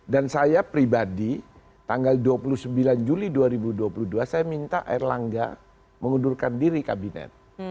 saya pribadi tanggal dua puluh sembilan juli dua ribu dua puluh dua saya minta erlangga mengundurkan diri kabinet